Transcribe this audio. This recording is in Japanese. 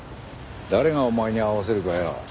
誰がお前に合わせるかよ。